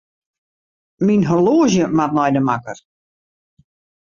Myn horloazje moat nei de makker.